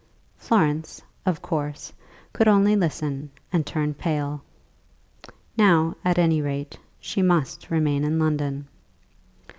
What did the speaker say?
Florence, of course, could only listen and turn pale. Now at any rate she must remain in London.